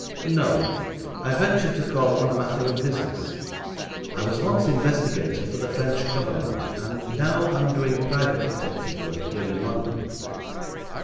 'No. I ventured to call on a matter of business. I was once investigator for the French Government, and now am doing private detective work here in London.'